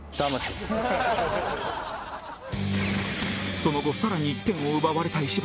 その後更に１点を奪われた石橋